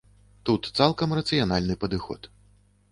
Тут цалкам рацыянальны падыход.